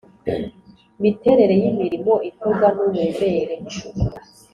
Miterere y imirimo ikorwa n uburemere